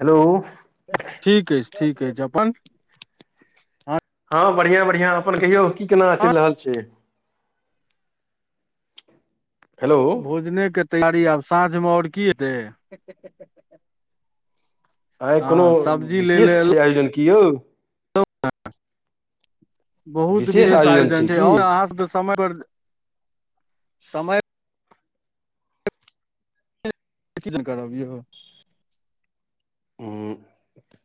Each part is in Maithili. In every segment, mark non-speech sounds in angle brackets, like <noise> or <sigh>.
हेलौ- ठीक अछि ठीक अछि अपन। हँ बढ़ियां बढ़िआं अपन कहियौ की केना हँ चलि रहल छै। हेलो भोजनेके तैयारी आब साँझमे आओर की हेतैय। आइ कोनो हँ सब्जी ले ले विशेष छै एलौ आयोजन की यौ। बहुत विशेष आयोजन छै आउ न अहाँ सबके समय पर समय एके दिन करब यौ। हूँ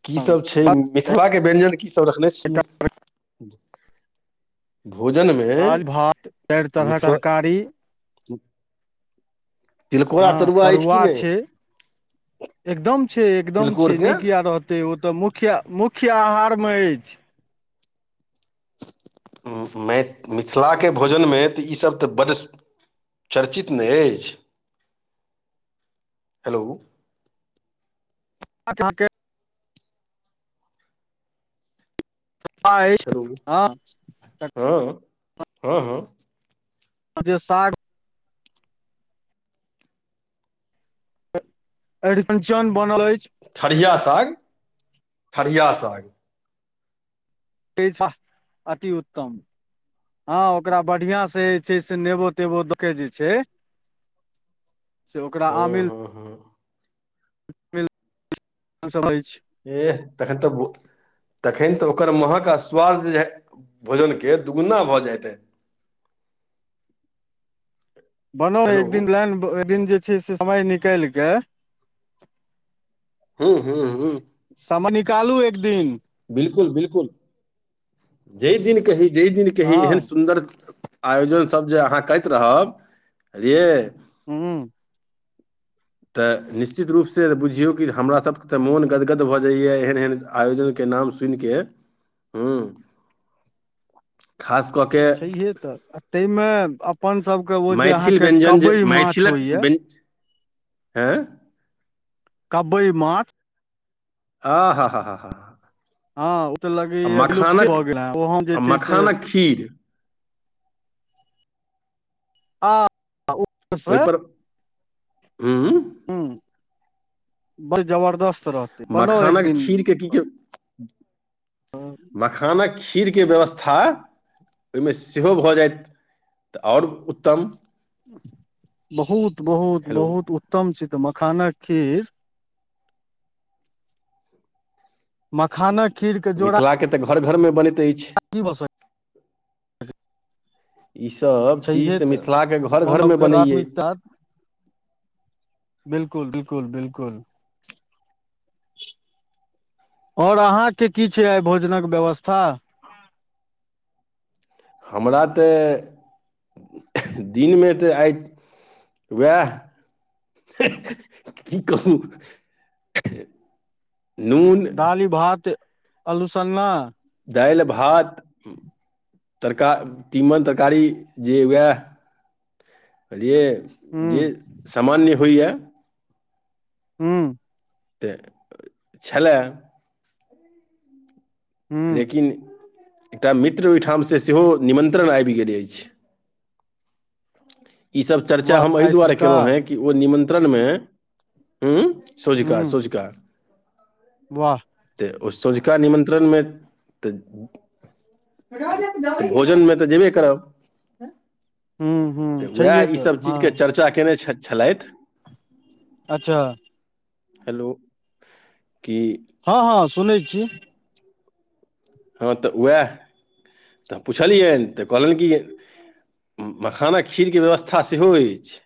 कीसभ छै मिथिलाके व्यंजन कीसभ रखने छियै। भोजनमे दालि भात चारि तरहक मिथिला तरकारी तिलकोरा हाँ अछि कि तरुआ नहि छै एकदम छै एकदम छै तिलकोरके नहि किया रहत तऽ ओ तऽ मुख्य मुख्य आहारमे अछि। अ-मै- मिथिलाके भोजनमे तऽ इसभ तऽ बड्ड चर्चित नै अछि। हेलो अहाँके अछि हेलो हँ हाँ हाँ हाँ हाँ जे साढ़ अ-अरिकंचन बनल अछि। ठरिया साग ठरिया साग ते साग अति उत्तम हाँ ओकरा बढीयाँ से जे छै से नेबो तेबो दऽ के जे छै। <inaudible> से ओकरा आमिल हूँ हूँ आमिल सभ अछि ऐह तखन तऽ भो- तखैन तऽ ओकर महक आ स्वाद जे हा-भोजनके दुगुना भऽ जाइत अइ बनाउ न हेलो एक दिन लाइन एक दिन जे छै से समय निकालि के हूँ हूँ हूँ समय निकालू एक दिन बिल्कुल बिल्कुल जहि दिन कही जहि दिन कही एहन हँ सुन्दर आयोजन सब जे अहाँ करैत रहब बुझलियै। हूँ तऽ निश्चित रूपसँ बुझियौ कि हमरासके तऽ मोन गदगद भऽ जाइया एहन एहन आयोजनके नाम सुनिके हूँ खास कऽ के छैहे तऽ आ ताहिमे अप- अप्पन सब के ओ जे मैथिल अहाँके व्यञ्जन जे कबई माँछ होय या आँय कबई माँछ आ- हा-हा-हा हँ ओ तऽ आ लगैया विलुप्ते मखानक भऽ गेल हे ओ हम जे आ छै से मखानक खीर आ ऊपर से ओहिपर हूँ उँ हूँ बड़ी जबरदस्त रह- मखानक खीर के की जे मखानक खीर के व्यवस्था ओहिमे सेहो भऽ जायत तऽ आओर उत्तम बहुत बहुत हेलो बहुत उत्तम छै तऽ मखानक खीर मखानक खीर के जोड़ा मिथिलाके तऽ घर घरमे बनैत अछि <unintelligible> आ की बसर ई सभ चीज तऽ मिथिला केँ घर अपन घर में सबके बनैयै प्राथमिकता बिल्कुल बिल्कुल बिल्कुल <inaudible> और अहाँकेँ की छै आइ भोजन कऽ व्यवस्था हमरा तै दिन में तऽ आइ <inaudible> वैह <unintelligible> नून दालि भात आलू सन्ना दाइल भात तरका तीमन तरकारी जे वैह खलियए हुँ जे सामान्य होइय <unintelligible> तऽ <inaudible> छलै हुँ लेकिन <inaudible> एकटा मित्र ओइठाम स सेहो निमन्त्रण आइब गेल ऐछ ई सब चर्चा हम वाह एहि आइ दुआरे सँझुका केलु है कि ओ निमन्त्रण में <inaudible> हु हुँ सोझका सोझका वाह ते ओ सोझका निमन्त्रण में तऽ <unintelligible> भोजन में तऽ जेबे करब <unintelligible> तऽ छैहे वैह तऽ ईसभ चीज केँ हँ चर्चा कैने छ छलैथ अच्छा हेलो <inaudible> की हऽ हऽ सुनै छी हँ तऽ वैह <inaudible> तऽ पुछलियैन तऽ कहलन कि मखानक खीर केँ व्यवस्था सेहो ऐछ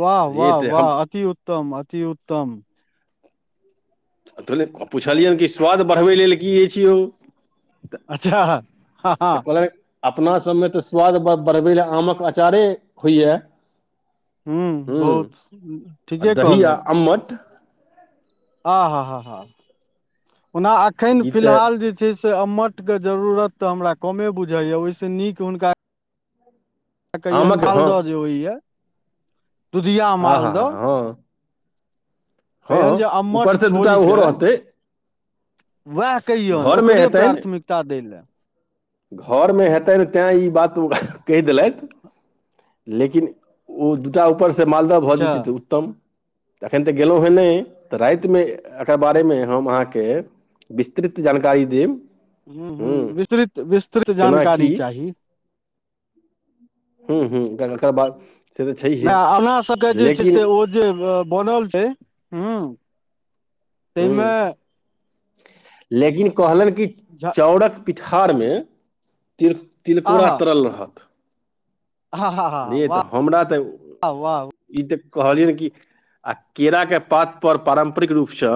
वाह वाह वाह अतिउत्तम अतिउत्तम धले आ पुछलियन कि स्वाद बड़बै लेल की ऐछ यौ <inaudible> अच्छा हँ हँ तऽ कहलक अपना सब में तऽ स्वाद ब बढ़बै लऽ आम कऽ अँचारे होइ यऽ हु बहुत आ ठीके दही आ कहलैथ अम्मट आ हाँ हाँ <inaudible> ओना एखन ई तऽ फिलहाल जे छै से अम्मठ कऽ जरूरत तऽ हमारा कमे बुझाय ओइस नीक हुनका कहियैन आमक हँ मालदह जे होइए <inaudible> दुुधिया आ हा मालदह हा हँ कहियैन हँ जे अम्मठ ऊपर से दूटा छोड़ ओहो केँ रहतै वैह कहियौन घरमे ओकरे प्राथमिकता दै लऽ घर में हेतैन तै ई बात ओ कैह देलैथ लेकिन ओ दू टा ऊपर स मालदह भऽ अच्छा जेतै तऽ उत्तम तऽ एखन तऽ गेलु है नै तऽ राइत में एकर बारे में हम अहाँ केँ विस्तृत जानकारी देब हु हु हूँ विस्तृत विस्तृत केना जानकारी की चाही <unintelligible> नै अपना सभ केँ जे छै लेकिन से ओ जे बनल छै <inaudible> हु तैय हूँ में लेकिन कहलनि कि झा चाउरक पिठारमे तिल-तिलकोरा आहा तरल रहत हा हा हा रे तऽ वाह हमरा तऽ ओ वाह ई तऽ कहलियै ने कि आ केराक के पात पर पारम्परिक रूपसँ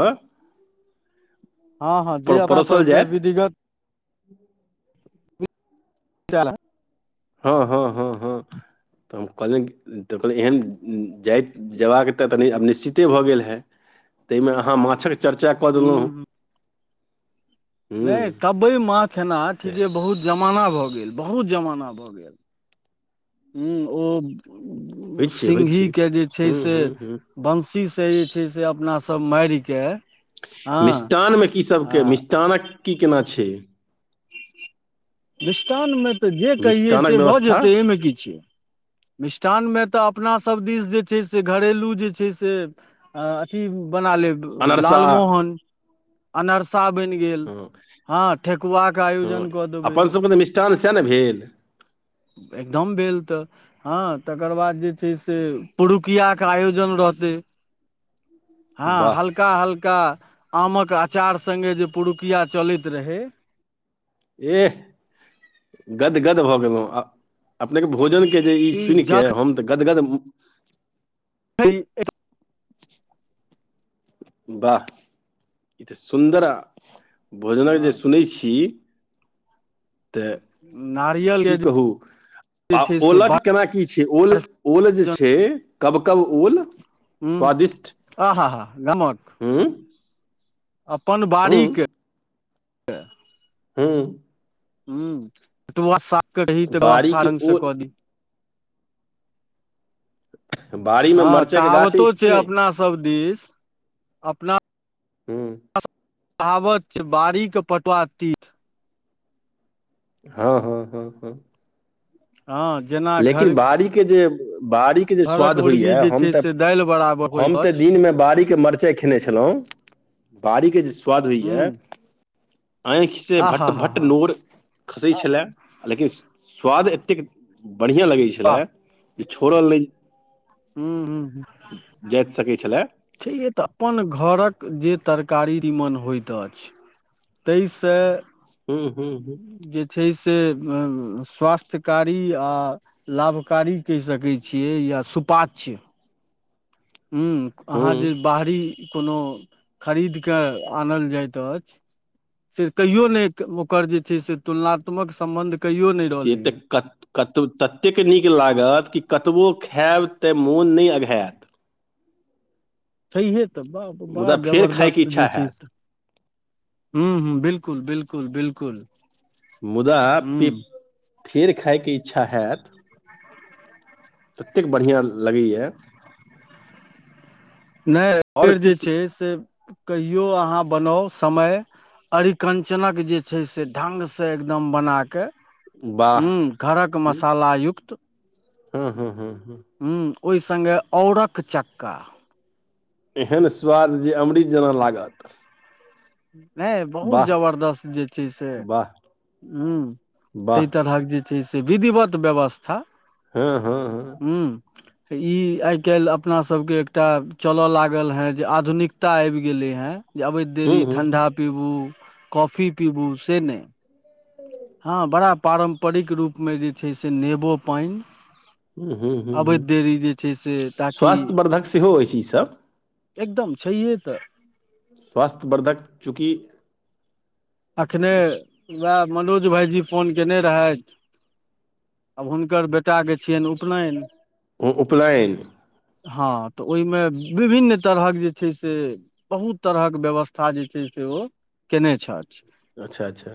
<inaudible> हाँ हाँ जे पर अहाँ परोसल सबके जायत विधिगत हाँ हाँ हाँ हाँ तऽ हम कहलियन तऽ कहलनि एहन जाइत जयबाक तऽ तनि आब निश्चिते भऽ गेल हए ताहिमे अहाँ माछक चर्चा कऽ देलहुँ हूँ हूँ नहि तबे माछ खेनहार तऽ ठीके बहुत जमाना भऽ गेल बहुत जमाना भऽ गेल हूँ होइ ओ छै होइ सिंघी छै के जे छै हूँ से हूँ हूँ बंशीसँ जे छै से अपनासभ मारिके हँ मिष्टानमे की आ सबके मिष्टानक की केना छै मिष्टानमे तऽ जे कहियै मिष्टानक से भऽ व्यवस्था जेतै एहिमे की छै मिष्ठानमे तऽ अपनासभ दिस जे छै से घरेलू जे छै से अ-अथि बना लेब अनरसा लालमोहन अनरसा बनि गेल हँ हाँ ठकुआ के आयोजन कऽ देबै चल सेएह ने भेल एकदम भेल तऽ हहाँ तकर बाद जे छै से पुरुकियाके आयोजन रहतै <inaudible> हाँ हल्का हल्का आमक अचार संगे जे पुरुकिया चलैत रहै एह गदगद भऽ गेलहुँ आ अपनेके भोजनके जे ई सुनि कऽ हम तऽ गदगद <unintelligible> वाह ई तऽ सुन्दर आ भोजनक जे सुनै छी तऽ नारियल की के कहू जे आ छै से ओलक केना की छै ओल ओल जे छै कब कब ओल हूँ आह-हा गमक हूँ-उँ अपन बाड़ीके हूँ हूँ साक रही तऽ व्यवस्था बाड़ीके रङ्ग से ओल कऽ दी बाड़ी मे हाँ मरचाइ के गाछ कहावतो अछि कि छै नहि अपना सब देिश अपना ह कहावत छै बाड़ीके पटुआ तीत हाँ हँ हँ हँ हँ जेना घर लेकिन बाड़ीके जे बाड़ीके जे घरक स्वाद मुर्गी होइया जे हम छै तऽ से दालि बराबर हम होइत तऽ अछि दिनमे बाड़ीके मिरचाइ खेने छलहुँ बाड़ीके जे स्वाद होइ हूँ या आँंखि से आ भट हा हा भट हा नोर खसै छलाह लेकिन स्वाद एतेक बढ़ियाँ लगै वाह छलाह जे छोड़ल नहि हूँ जाइत सकैत छलाह छैै तऽ अपन घरक जे तरकारी निमन होइत अछि तेइस हूँ हूँ हूँ जे छैय से स्वास्थ्यकारी आओ लाभकारी कैह सकैत छियै या सुपाच्य हूँ अहाँ जे हूँ बाहरी कोनो खरीद कऽ आनल जाइत अछ से कहियो नय ओकर जे छै से तुलनात्मक सम्बन्ध कहिओ नय रहलै हेँ कतो ततेक नीक लागत कि कतबो खायएब तऽ मोन नय अघायत छैहे तऽ बाप बा मुदा फेर खायके जबरदस्त जे इच्छा छै हैत से हूँ हूँ बिल्कुल बिलकुल बिलकुल मुद्दा पे फेर खायके इच्छा हैत ततेक बढ़िआँ लगैया नय आओर ऐबेर जे किछु छै से कहिओ अहाँ बनाउ समय अरिकञ्चनक जे छै से ढङ्गसँ एकदम बनाकऽ वाह हूँ घरक मसाला युक्त हँ हँ हँ हँ हूँ ओहि संगे औरक चक्का एहन स्वाद जे अमृत जेना लागत हुँ नय बहुत वाह जबरदस्त जे छै से वाह ह वाह ता तरहक जे जे छै से विधिवत व्यवस्था हँ हँ हँ हूँ त ई आइ काल्हि अपनासभके एकटा चलय लागल हेँ जे आधुनिकता आएब गेलै हेँ जे अबैत देरी हूँ हूँ ठण्डा पीबू कॉफी पीबू से नय हूँ हँ बड़ा पारम्परिक रूपमे जे छै से नेबो पाइन हूँ हूँ हूँ हूँ अबैत देरी जे छै से ताकि स्वास्थ्य वर्धक सेहो अछि ईसभ एकदम छैहे तऽ स्वास्थ्यवर्धक चूँकि एखने वएह मनोज भाइजी फोन कयने रहेथ आब हुनकर बेटाके छियेन उपनयन उपनयन हँ तऽ ओय में विभिन्न तरहक जे छै से बहुत तरहक व्यवस्था जे छै से ओ कयने छैथ अच्छा अच्छा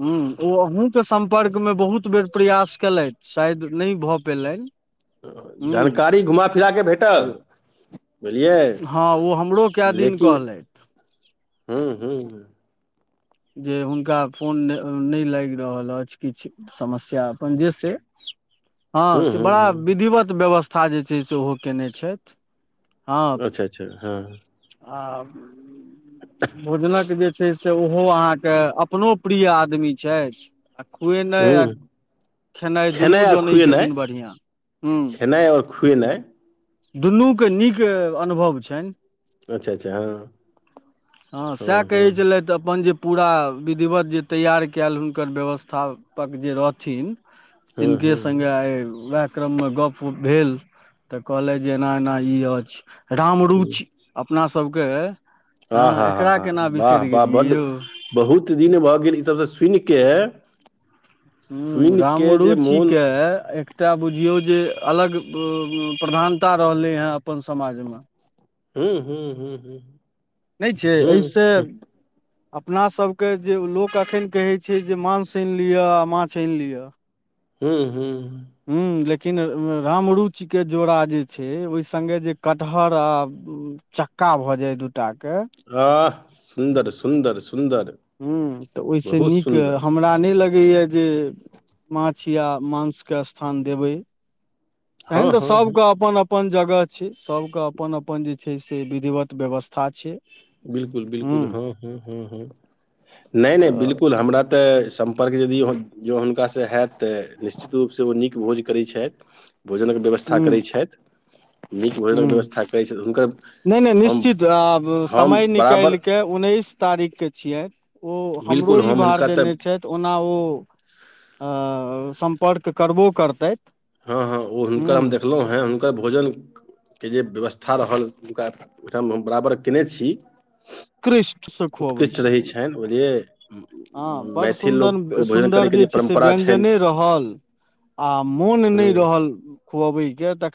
ह्मँ ओ अहूँके सम्पर्कमे बहुत बेर प्रयास कयेलथि शायद नय भऽ पयलैन जानकारी घुमा फिरा कऽ से भेटल बुझलियै हँ ओ हमरो कए दिन लेकिन कहलथि हू हूं जे हुनका फोन नय लाग रहल अछ किछ समस्या अपन जेसँ <inaudible> हँ से हूँ बड़ा हूँ विधिवत व्यवस्था जे छै से ओहो कयने छैथ अच्छा अच्छा हँ आऽ भोजनक जे छै से ओहो अहाँके अपनो प्रिय आदमी छैथ आ हुं खुएनाए खेनाइ दुनू आ जनै खुएनाइ छथिन बढ़िआँ हूँ खेनाइ आओर खुएनाइ दुनूके नीक अनुभव छनि अच्छा अच्छा हँ हाँ हँ सैह हँ कहै छेलाइथ अपन जे पूरा विधिवत जे तैयार कयल हुनकर व्यवस्थापक जे रहथिन हँ तिनके हँ संगे आ हुए क्रममे गप उप भेल तऽ कहलथि जे एना एना ई अछि हँ रामरुचि अपना सबके आ हँ हा हा एकरा हा केना वाह बिसरि वाह गेलियै बड यौ बहुत दिन भऽ गेल ई सबसँ सुनि के हूँ सुनि के जे रामरुचि मोन के तै बुझियौ जे अलग प्रधानता रहलै हँ अपन समाजमे हूँ हूँ हूँ हूँ नै छै एहिसे हूँ अपना सबके जे लोक अखन कहै छै जे मांस आनि लिअ आ माछ आनि लिअ हूँ हूँ हूँ लेकिन रामरुच जोड़ा जे छै ओहि संगे जे कटहर आ चक्का भऽ जाय दूटा के आह सुन्दर सुन्दर सुन्दर हूँ तऽ ओहिसँ बहुत नीक सुन्दर हमरा नै लगैया जे माछ या मांस के स्थान देबै तन हँ तऽ हँ हँ सबके अपन अप अपन जगह छै सब क अपन अपन जे छै से विधिवत व्यवस्था छै बिल्कुल हूँ बिल्कुल हँ हँ हँ हँ नै नै तऽ बिल्कुल हमरा तऽ सम्पर्क यदि जँ हुनकासँ हयैत तऽ निश्चित रूपसँ ओ नीक भोज करै छथि भोजनक व्यवस्था हूँ करै छाइथ नीक भोजनक व्यवस्था करै छथि हुनकर नै नै हम निश्चित आब हम समय बराबर निकालि कऽ उन्नैस तारीखके छियै ओ हमरो बिल्कुल ई हम भार हुनका देने छथि तऽ ओना ओ अ सम्पर्क करबो कर ताइथ हँ हँ ओ हुनका हम देखलौं हेँ हुनकर भोजन के जे व्यवस्था रहल हुनका ओहिठाम हम बराबर केने छी उत्कृष्ट सँ खुअबै उत्कृष्ट रहै छथिन छनि हँ बुझलियै बड मैथिल सुन्दर लोकके भोजन सुन्दर करैके जे से परम्परा वेयजन छनि नै रहल आ मोन नय हूँ रहल खुआब्य केतख